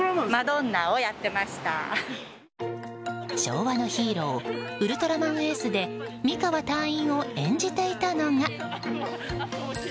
昭和のヒーロー「ウルトラマンＡ」で美川隊員を演じていたのが。